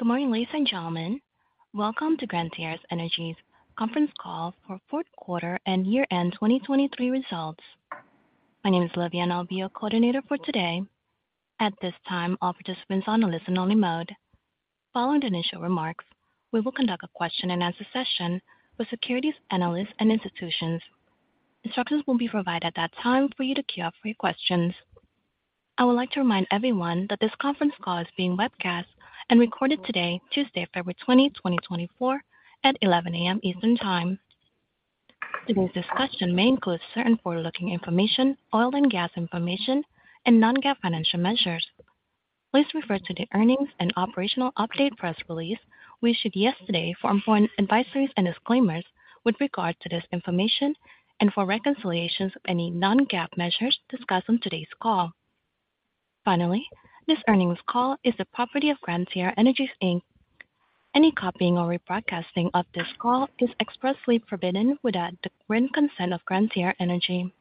Good morning, ladies and gentlemen. Welcome to Gran Tierra Energy's conference call for fourth quarter and year-end 2023 results. My name is Olivia, and I'll be your coordinator for today. At this time, all participants on a listen-only mode. Following the initial remarks, we will conduct a question-and-answer session with securities analysts, and institutions. Instructions will be provided at that time for you to queue up for your questions. I would like to remind everyone that this conference call is being webcast and recorded today, Tuesday, February 20, 2024, at 11:00 A.M. Eastern Time. Today's discussion may include certain forward-looking information, oil and gas information, and non-GAAP financial measures. Please refer to the earnings and operational update press release we issued yesterday for important advisories and disclaimers with regard to this information and for reconciliations of any non-GAAP measures discussed on today's call. Finally, this earnings call is the property of Gran Tierra Energy Inc. Any copying or rebroadcasting of this call is expressly forbidden without the written consent of Gran Tierra Energy.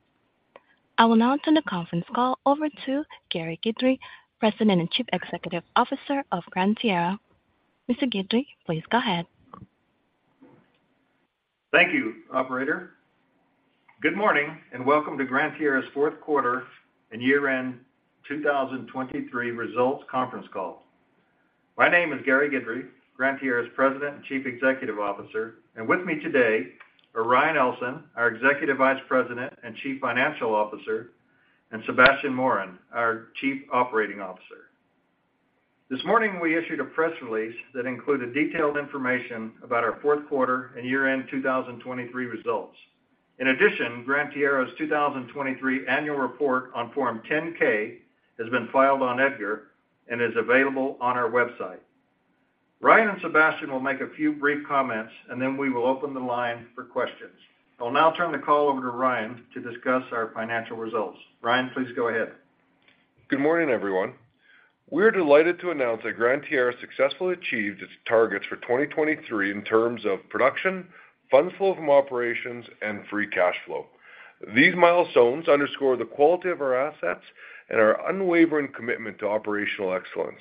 I will now turn the conference call over to Gary Guidry, President and Chief Executive Officer of Gran Tierra. Mr. Guidry, please go ahead. Thank you, operator. Good morning, and welcome to Gran Tierra's fourth quarter and year-end 2023 results conference call. My name is Gary Guidry, Gran Tierra's President and Chief Executive Officer, and with me today are Ryan Ellson, our Executive Vice President and Chief Financial Officer, and Sebastien Morin, our Chief Operating Officer. This morning, we issued a press release that included detailed information about our fourth quarter and year-end 2023 results. In addition, Gran Tierra's 2023 annual report on Form 10-K has been filed on EDGAR and is available on our website. Ryan and Sebastien will make a few brief comments, and then we will open the line for questions. I'll now turn the call over to Ryan to discuss our financial results. Ryan, please go ahead. Good morning, everyone. We're delighted to announce that Gran Tierra successfully achieved its targets for 2023 in terms of production, funds flow from operations, and free cash flow. These milestones underscore the quality of our assets and our unwavering commitment to operational excellence.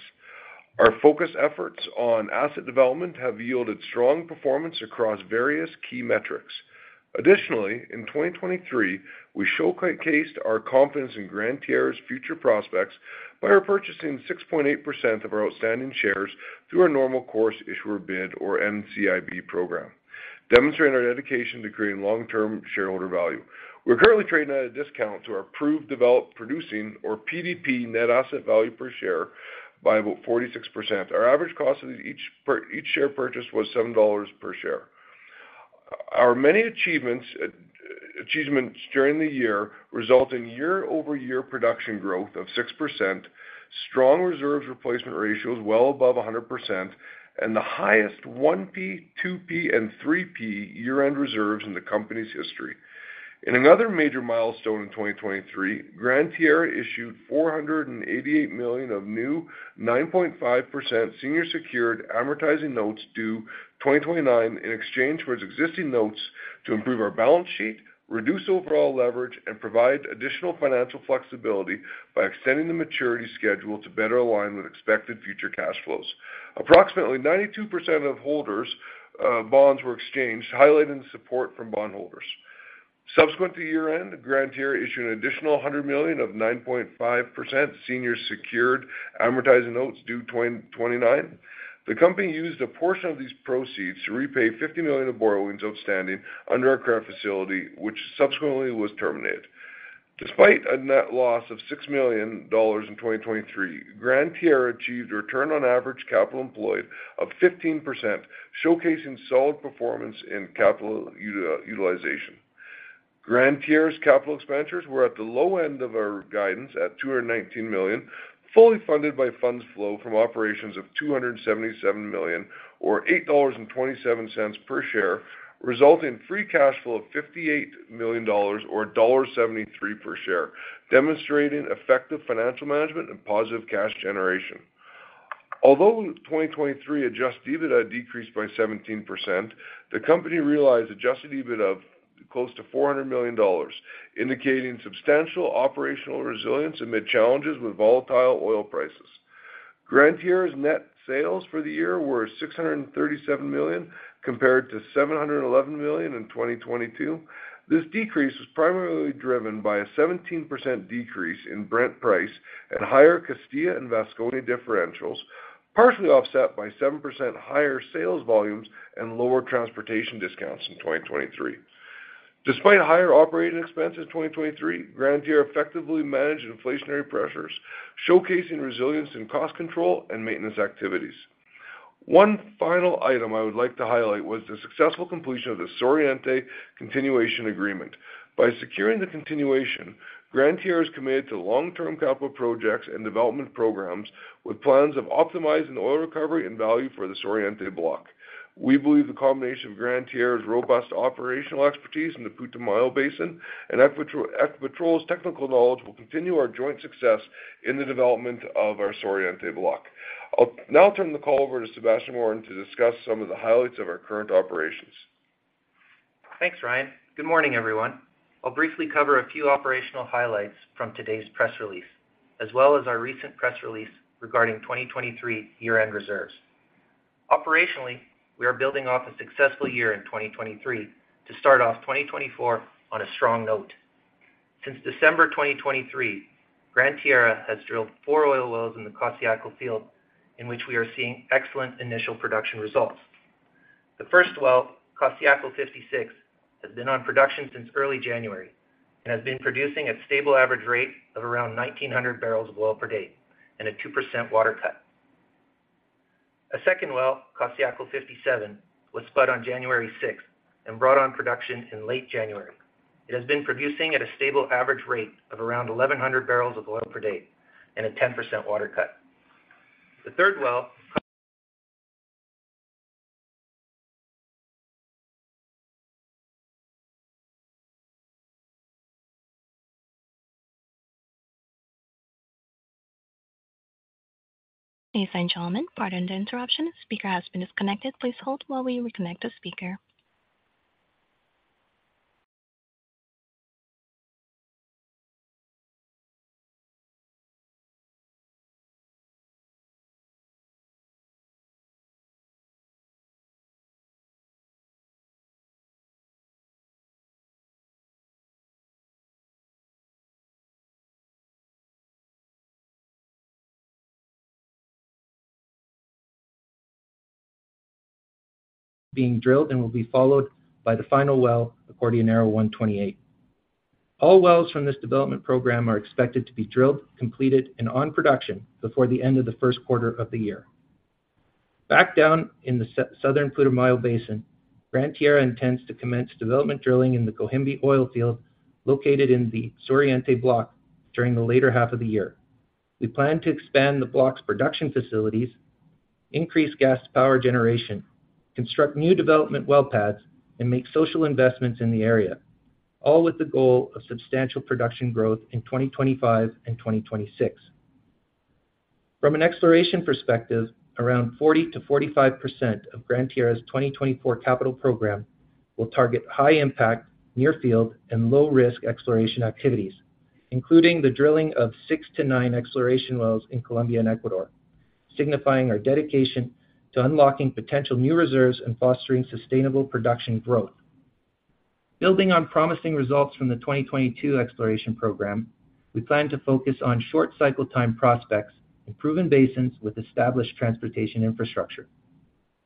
Our focus efforts on asset development have yielded strong performance across various key metrics. Additionally, in 2023, we showcased our confidence in Gran Tierra's future prospects by repurchasing 6.8% of our outstanding shares through our normal course issuer bid, or NCIB program, demonstrating our dedication to creating long-term shareholder value. We're currently trading at a discount to our approved developed producing or PDP net asset value per share by about 46%. Our average cost of each share purchase was $7 per share. Our many achievements, achievements during the year result in year-over-year production growth of 6%, strong reserves replacement ratios well above 100%, and the highest 1P, 2P, and 3P year-end reserves in the company's history. In another major milestone in 2023, Gran Tierra issued $488 million of new 9.5% senior secured amortizing notes due 2029 in exchange for its existing notes to improve our balance sheet, reduce overall leverage, and provide additional financial flexibility by extending the maturity schedule to better align with expected future cash flows. Approximately 92% of holders, bonds were exchanged, highlighting the support from bondholders. Subsequent to year-end, Gran Tierra issued an additional $100 million of 9.5% senior secured amortizing notes due 2029. The company used a portion of these proceeds to repay $50 million of borrowings outstanding under our credit facility, which subsequently was terminated. Despite a net loss of $6 million in 2023, Gran Tierra achieved a return on average capital employed of 15%, showcasing solid performance in capital utilization. Gran Tierra's capital expenditures were at the low end of our guidance at $219 million, fully funded by funds flow from operations of $277 million, or $8.27 per share, resulting in free cash flow of $58 million or $1.73 per share, demonstrating effective financial management and positive cash generation. Although in 2023, Adjusted EBITDA decreased by 17%, the company realized Adjusted EBIT of close to $400 million, indicating substantial operational resilience amid challenges with volatile oil prices. Gran Tierra's net sales for the year were $637 million, compared to $711 million in 2022. This decrease was primarily driven by a 17% decrease in Brent price and higher Castilla and Vasconia differentials, partially offset by 7% higher sales volumes and lower transportation discounts in 2023. Despite higher operating expenses in 2023, Gran Tierra effectively managed inflationary pressures, showcasing resilience in cost control and maintenance activities. One final item I would like to highlight was the successful completion of the Sur Oriente Continuation Agreement. By securing the continuation, Gran Tierra is committed to long-term capital projects and development programs with plans of optimizing oil recovery and value for the Sur Oriente block. We believe the combination of Gran Tierra's robust operational expertise in the Putumayo Basin and Ecopetrol's technical knowledge will continue our joint success in the development of our Sur Oriente block. I'll now turn the call over to Sebastien Morin to discuss some of the highlights of our current operations. Thanks, Ryan. Good morning, everyone. I'll briefly cover a few operational highlights from today's press release, as well as our recent press release regarding 2023 year-end reserves. Operationally, we are building off a successful year in 2023 to start off 2024 on a strong note. Since December 2023, Gran Tierra has drilled 4 oil wells in the Costayaco field, in which we are seeing excellent initial production results. The first well, Costayaco-56, has been on production since early January and has been producing a stable average rate of around 1,900 barrels of oil per day and a 2% water cut. A second well, Costayaco-57, was spud on January 6th and brought on production in late January. It has been producing at a stable average rate of around 1,100 barrels of oil per day and a 10% water cut. The third well- Ladies and gentlemen, pardon the interruption. Speaker has been disconnected. Please hold while we reconnect the speaker. Being drilled and will be followed by the final well, Acordionero-128. All wells from this development program are expected to be drilled, completed, and on production before the end of the first quarter of the year. Back down in the Southern Putumayo Basin, Gran Tierra intends to commence development drilling in the Cohembi oil field, located in the Sur Oriente block, during the later half of the year. We plan to expand the block's production facilities, increase gas power generation, construct new development well pads, and make social investments in the area, all with the goal of substantial production growth in 2025 and 2026. From an exploration perspective, around 40%-45% of Gran Tierra's 2024 capital program will target high impact, near field, and low-risk exploration activities, including the drilling of 6-9 exploration wells in Colombia and Ecuador, signifying our dedication to unlocking potential new reserves and fostering sustainable production growth. Building on promising results from the 2022 exploration program, we plan to focus on short cycle time prospects in proven basins with established transportation infrastructure.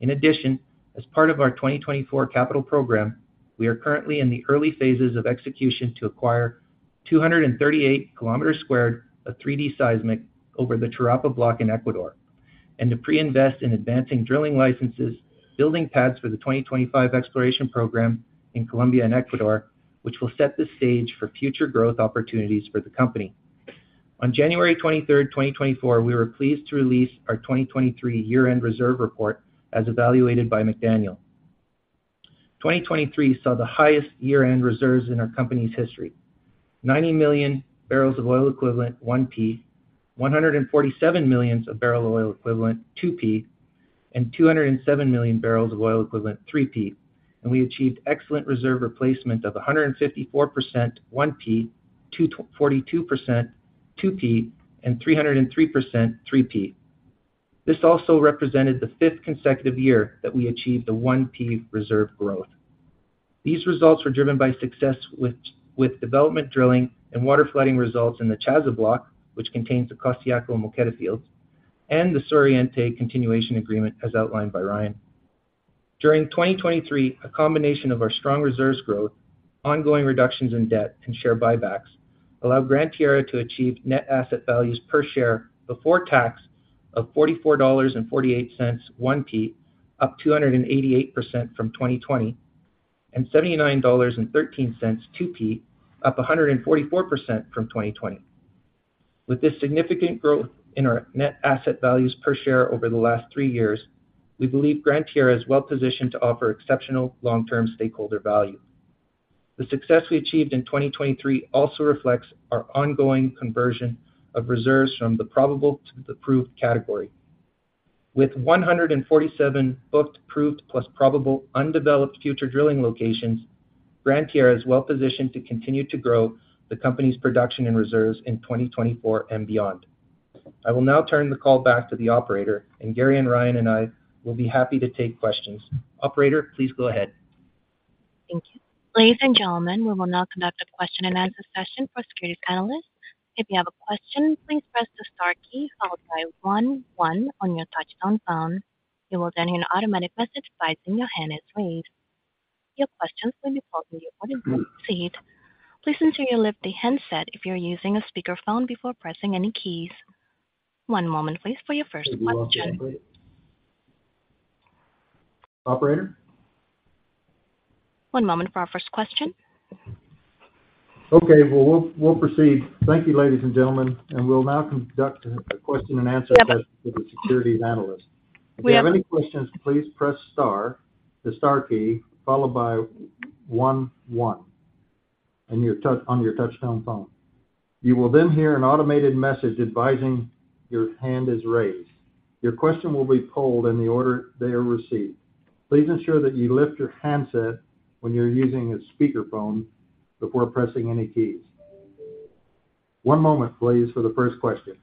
In addition, as part of our 2024 capital program, we are currently in the early phases of execution to acquire 238 square kilometers of 3D seismic over the Charapa Block in Ecuador, and to pre-invest in advancing drilling licenses, building pads for the 2025 exploration program in Colombia and Ecuador, which will set the stage for future growth opportunities for the company. On January 23, 2024, we were pleased to release our 2023 year-end reserve report as evaluated by McDaniel. 2023 saw the highest year-end reserves in our company's history. 90 million barrels of oil equivalent, 1P, 147 million barrels of oil equivalent, 2P, and 207 million barrels of oil equivalent, 3P, and we achieved excellent reserve replacement of 154%, 1P, 242%, 2P, and 303%, 3P. This also represented the fifth consecutive year that we achieved the 1P reserve growth. These results were driven by success with development, drilling, and water flooding results in the Chaza Block, which contains the Costayaco and Moqueta fields, and the Sur Oriente continuation agreement, as outlined by Ryan. During 2023, a combination of our strong reserves growth, ongoing reductions in debt, and share buybacks allowed Gran Tierra to achieve net asset values per share before tax of $44.48, 1P, up 288% from 2020, and $79.13, 2P, up 144% from 2020. With this significant growth in our net asset values per share over the last three years, we believe Gran Tierra is well positioned to offer exceptional long-term stakeholder value. The success we achieved in 2023 also reflects our ongoing conversion of reserves from the probable to the proved category. With 147 booked, proved, plus probable undeveloped future drilling locations, Gran Tierra is well positioned to continue to grow the company's production and reserves in 2024 and beyond. I will now turn the call back to the operator, and Gary, and Ryan, and I will be happy to take questions. Operator, please go ahead. Thank you. Ladies and gentlemen, we will now conduct a question-and-answer session for securities analysts. If you have a question, please press the star key, followed by one one on your touch-tone phone. You will then hear an automatic message advising you when it's weight. Your questions will be followed by your proceeding. Please ensure you lift the handset if you're using a speakerphone before pressing any keys. One moment, please, for your first question. Operator? One moment for our first question. Okay, well, we'll proceed. Thank you, ladies and gentlemen, and we'll now conduct a question-and-answer session with the securities analyst. If you have any questions, please press star, the star key, followed by one one, and on your touchtone phone. You will then hear an automated message advising your hand is raised. Your question will be pulled in the order they are received. Please ensure that you lift your handset when you're using a speakerphone before pressing any keys. One moment, please, for the first question.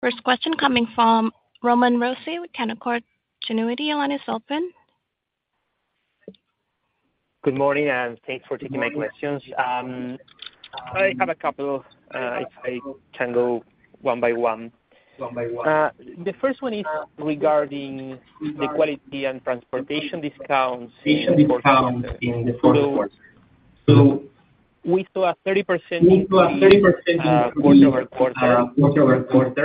First question coming from Román Rossi with Canaccord Genuity. Your line is open. Good morning, and thanks for taking my questions. I have a couple. I can go one by one. The first one is regarding the quality and transportation discounts in the fourth quarter. So we saw a 30% decrease quarter-over-quarter.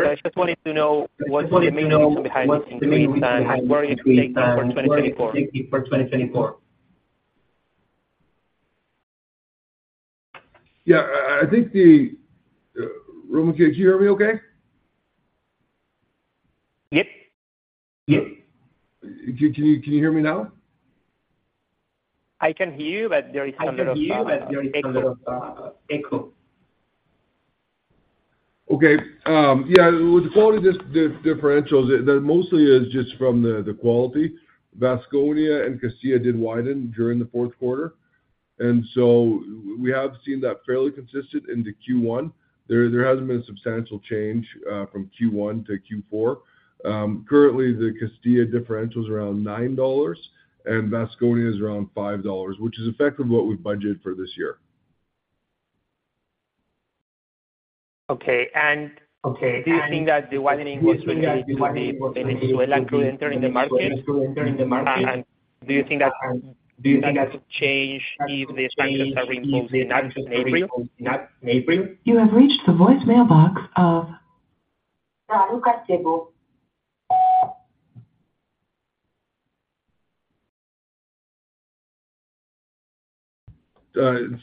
I just wanted to know what's the main reason behind this increase, and where are you taking that for 2024? Yeah, I think, Roman, can you hear me okay? Yep. Can you hear me now? I can hear you, but there is a little echo. Okay. Yeah, with the quality differentials, that mostly is just from the quality. Vasconia and Castilla did widen during the fourth quarter, and so we have seen that fairly consistent into first quarter. There hasn't been a substantial change from first quarter to fourth quarter curently, the Castilla differential is around $9, and Vasconia is around $5, which is effectively what we budgeted for this year. Okay. And do you think that the widening was related to the Venezuela crude entering the market? And do you think that, do you think that could change if the sanctions are imposed in April? You have reached the voicemail box of Gianluca Di Tiberio.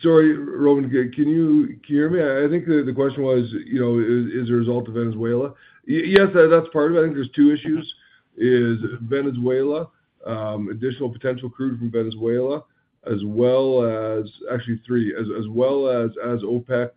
Sorry, Roman, can you hear me? I think the question was, you know, a result of Venezuela. Yes, that's part of it. I think there's two issues, Venezuela, additional potential crude from Venezuela, as well as actually, three, as well as OPEC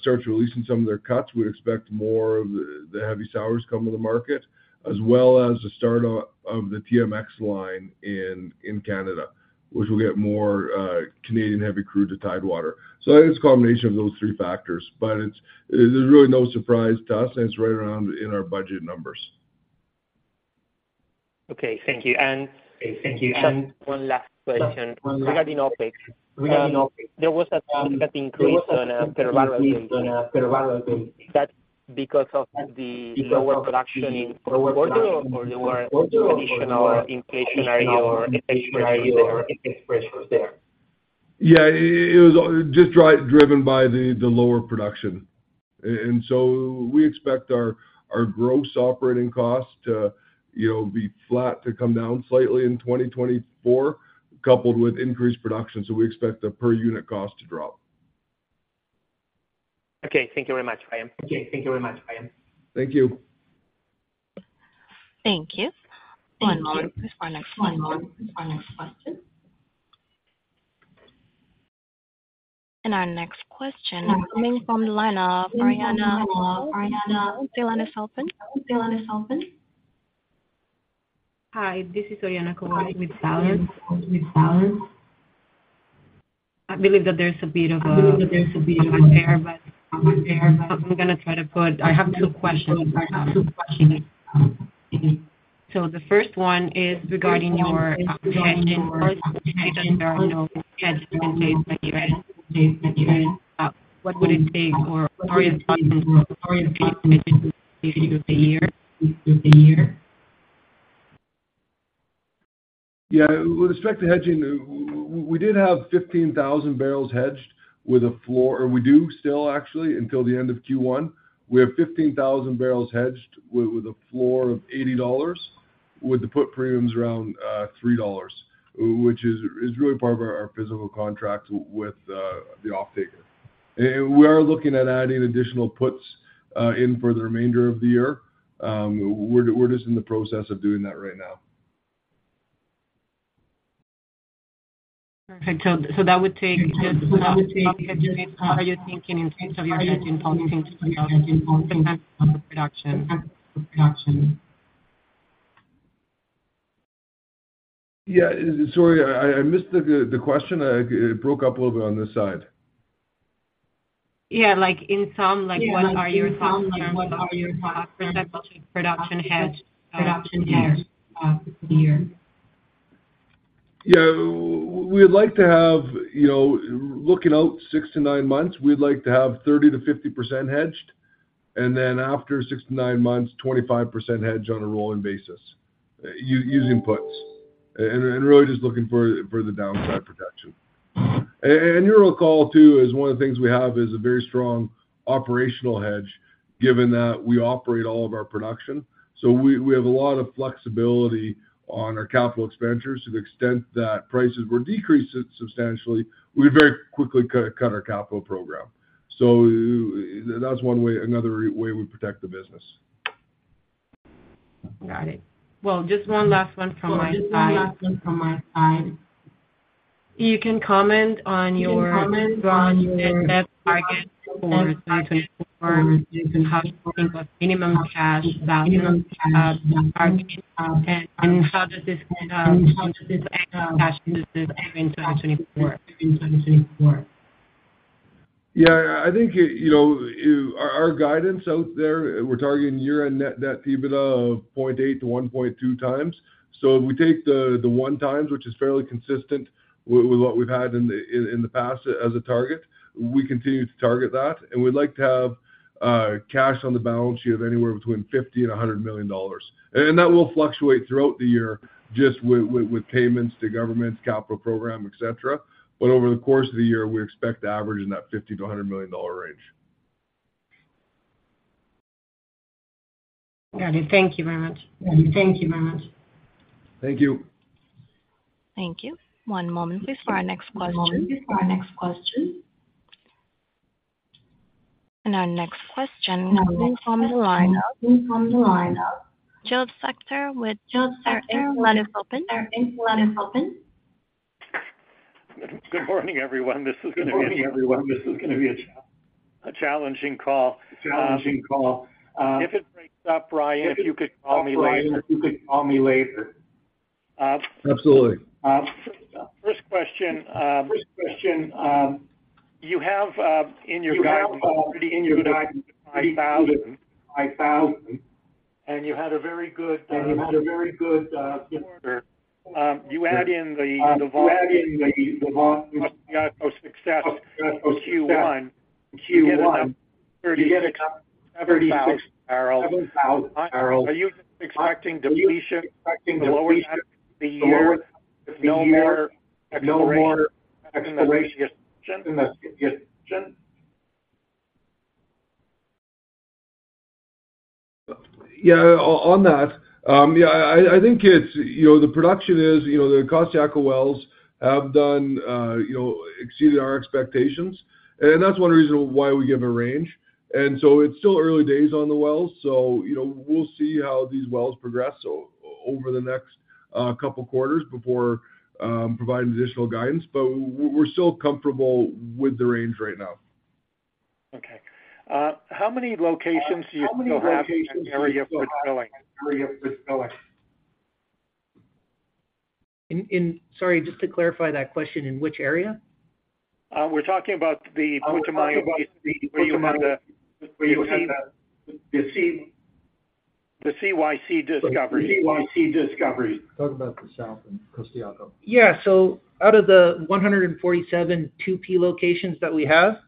starts releasing some of their cuts, we'd expect more of the heavy sours come to the market, as well as the start of the TMX line in Canada, which will get more Canadian heavy crude to tidewater. So I think it's a combination of those three factors, but it's really no surprise to us, and it's right around in our budgeted numbers. Okay, thank you. And just one last question. Regarding OpEx, there was an increase on a per barrel basis. That's because of the lower production in the fourth quarter, or there were additional inflationary pressures there? Yeah, it was just driven by the lower production. So we expect our gross operating costs to, you know, be flat to come down slightly in 2024, coupled with increased production. So we expect the per unit cost to drop. Okay, thank you very much, Ryan. Thank you. Thank you. One moment for our next question. Our next question coming from the line of Ariana. Ariana, the line is open. Hi, this is Ariana Kobal with Balanz Capital. I believe that there's a bit of air, but I'm gonna try to put... I have two questions right now. So the first one is regarding your hedging. I just heard hedging in place by you guys. What would it take or are you planning to hedge the year? Yeah. With respect to hedging, we did have 15,000 barrels hedged with a floor or we do still, actually, until the end of first quarter. We have 15,000 barrels hedged with a floor of $80, with the put premiums around $3, which is really part of our physical contract with the off taker. And we are looking at adding additional puts in for the remainder of the year. We're just in the process of doing that right now. Perfect. So that would take just, how are you thinking in terms of your hedging policy for the rest of production? Yeah, sorry, I missed the question. It broke up a little bit on this side. Yeah, like, in sum, like, what are your thoughts in terms of production hedge for the year? Yeah. We'd like to have, you know, looking out 6-9 months, we'd like to have 30%-50% hedged, and then after 6-9 months, 25% hedge on a rolling basis, using puts, and really just looking for the downside protection. And you'll recall, too, is one of the things we have is a very strong operational hedge, given that we operate all of our production. So we have a lot of flexibility on our capital expenditures. To the extent that prices were decreased substantially, we very quickly cut our capital program. So that's one way, another way we protect the business. Got it. Well, just one last one from my side. You can comment on your debt target for 2024 and how you think of minimum cash value target? And how does this cash position in 2024? Yeah, I think, you know, our guidance out there. We're targeting year-end net debt EBITDA of 0.8-1.2x. So if we take the 1x, which is fairly consistent with what we've had in the past as a target, we continue to target that, and we'd like to have cash on the balance sheet of anywhere between $50 million and $100 million. And that will fluctuate throughout the year, just with payments to governments, capital program, et cetera. But over the course of the year, we expect to average in that $50-$100 million range. Got it. Thank you very much. Thank you. Thank you. One moment please for our next question. Our next question comes from the line of Josef Schachter with Schachter Energy Research Services. Good morning, everyone. This is gonna be a challenging call. If it breaks up, Ryan, if you could call me later. Absolutely. First question, you have in your guidance pretty good 5,000, and you had a very good quarter. You add in the volume success in first quarter, you get a 37,000 barrels. Are you expecting depletion the lower half of the year? No more exploration in the Yeah, on that, yeah, I think it's, you know, the production is, you know, the Costayaco wells have done, exceeded our expectations, and that's one reason why we give a range. And so it's still early days on the wells. So, you know, we'll see how these wells progress over the next couple quarters before providing additional guidance. But we're still comfortable with the range right now. Okay. How many locations do you still have in that area for drilling? Sorry, just to clarify that question, in which area? We're talking about the CYC discovery. Talk about the South and Costayaco. Yeah. So out of the 147 2P locations that we have,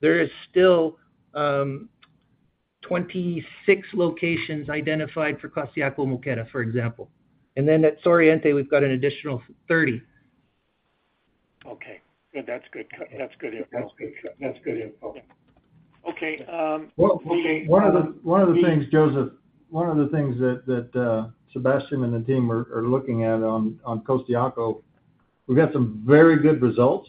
there is still 26 locations identified for Costayaco Moqueta, for example. And then at Oriente, we've got an additional 30. Okay. Good. That's good. That's good info. Okay. One of the things, Joseph, that Sebastien and the team are looking at on Costayaco, we've got some very good results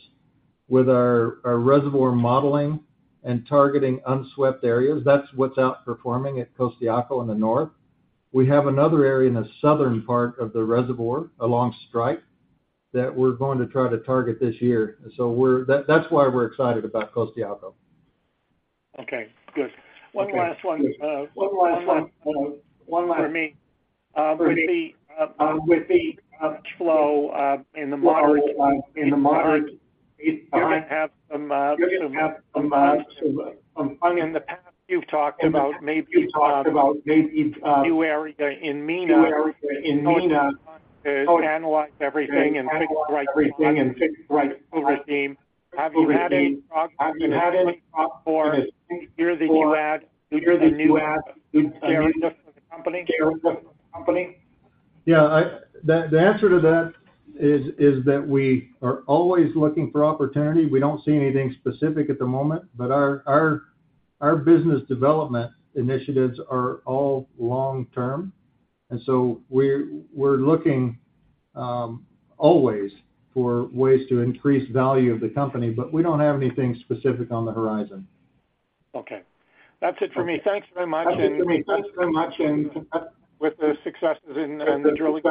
with our reservoir modeling and targeting unswept areas. That's what's outperforming at Costayaco in the north. We have another area in the southern part of the reservoir, along strike, that we're going to try to target this year. So that's why we're excited about Costayaco. Okay, good. One last one, one last one, one last for me. With the FFO in the models, you're gonna have some, some, in the past, you've talked about maybe new area in China to analyze everything and fix the right regime. Have you had any progress regarding the new head, the new chairman of the company? Yeah, the answer to that is that we are always looking for opportunity. We don't see anything specific at the moment, but our business development initiatives are all long term, and so we're looking always for ways to increase value of the company, but we don't have anything specific on the horizon. Okay. That's it for me. Thanks very much, and good luck with the successes in the drilling.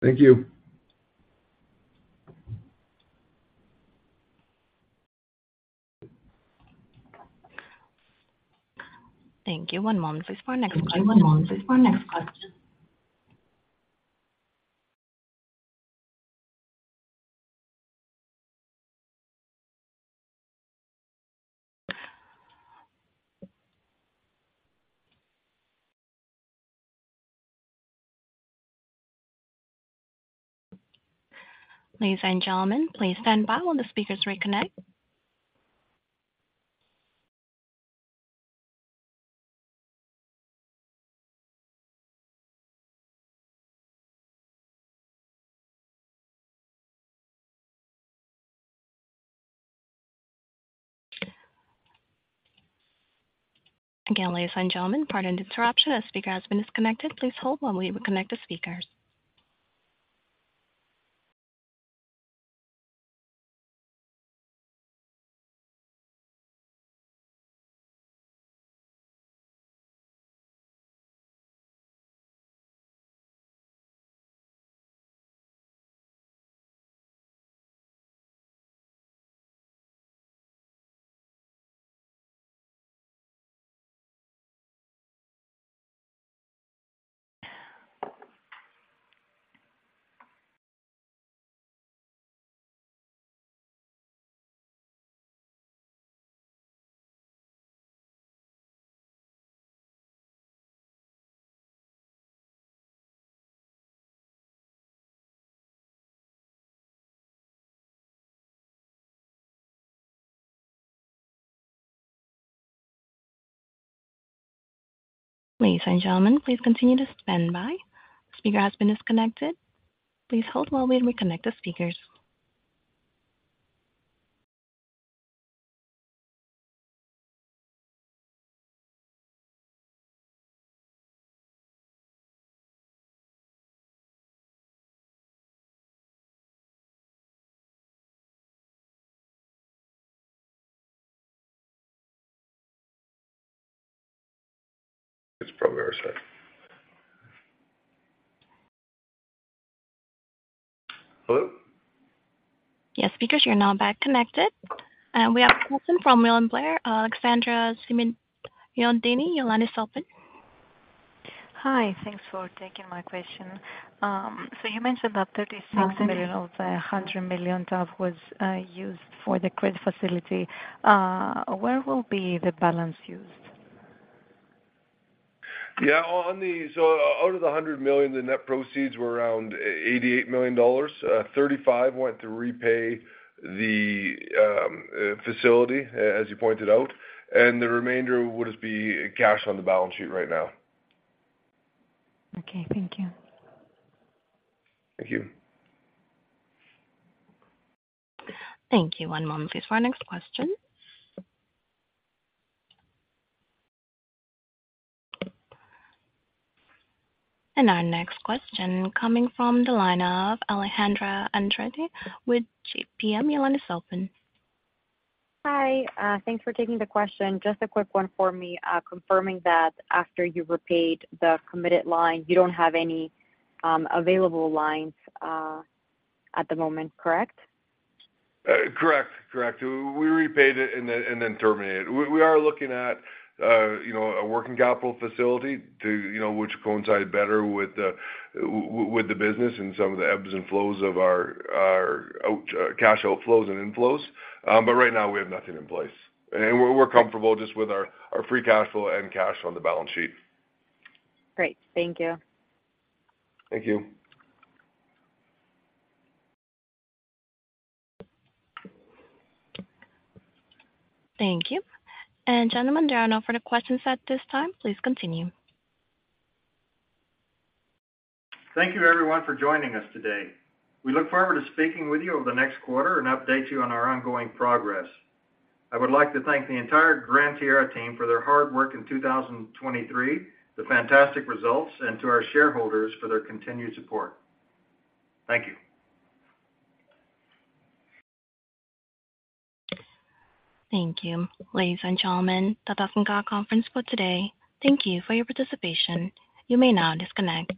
Thank you. Thank you. One moment please for our next question. Ladies and gentlemen, please stand by while the speakers reconnect. Again, ladies and gentlemen, pardon the interruption. The speaker has been disconnected. Please hold while we reconnect the speakers. Ladies and gentlemen, please continue to stand by. Speaker has been disconnected. Please hold while we reconnect the speakers. It's probably our side. Hello? Yes, speakers, you're now back connected. We have a person from William Blair, Alexandra Symeonidi. Your line is open. Hi, thanks for taking my question. So you mentioned that $36 million of the $100 million was used for the credit facility. Where will be the balance used? Yeah, on the, so out of the $100 million, the net proceeds were around $88 million. $35 million went to repay the facility, as you pointed out, and the remainder would just be cash on the balance sheet right now. Okay, thank you. Thank you. Thank you. One moment, please, for our next question. Our next question coming from the line of Alejandra Andrade with JP Morgan. Your line is open. Hi, thanks for taking the question. Just a quick one for me, confirming that after you've repaid the committed line, you don't have any available lines at the moment, correct? Correct. Correct. We repaid it and then terminated it. We are looking at, you know, a working capital facility to, you know, which coincide better with the business and some of the ebbs and flows of our cash outflows and inflows. But right now we have nothing in place, and we're comfortable just with our free cash flow and cash on the balance sheet. Great. Thank you. Thank you. Thank you. And gentlemen, there are no further questions at this time. Please continue. Thank you, everyone, for joining us today. We look forward to speaking with you over the next quarter and update you on our ongoing progress. I would like to thank the entire Gran Tierra team for their hard work in 2023, the fantastic results, and to our shareholders for their continued support. Thank you. Thank you. Ladies and gentlemen, that concludes our conference for today. Thank you for your participation. You may now disconnect.